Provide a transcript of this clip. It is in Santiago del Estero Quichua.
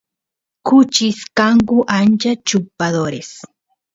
kuchis kanku ancha chupadores